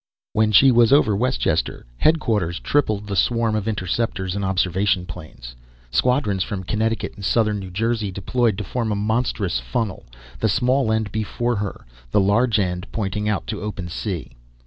When she was over Westchester, headquarters tripled the swarm of interceptors and observation planes. Squadrons from Connecticut and southern New Jersey deployed to form a monstrous funnel, the small end before her, the large end pointing out to open sea.